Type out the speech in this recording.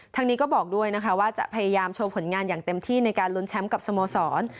ทางนี้ก็บอกด้วยนะคะว่าจะพยายามโชว์ผลงานอย่างเต็มที่ในการลุ้นแชมป์กับสโมสร